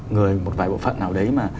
người một vài bộ phận nào đấy mà